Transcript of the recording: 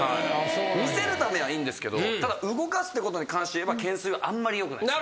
見せるためにはいいんですけどただ動かすっていうことに関していえば懸垂はあんまり良くないです。